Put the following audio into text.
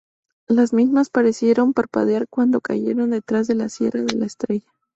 Las mismas parecieron parpadear cuando cayeron detrás de la Sierra de la Estrella.